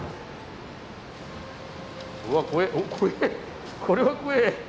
うわ怖えこれは怖え。